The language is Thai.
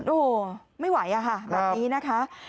โอ้โหไม่ไหวอะค่ะแบบนี้นะคะ